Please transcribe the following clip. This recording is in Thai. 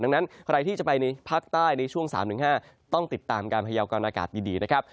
ดังนั้นใครที่จะไปในภาคใต้ในช่วงสามหนึ่งห้าต้องติดตามการพยาวการอากาศดีดีนะครับ